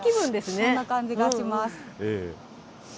そんな感じがします。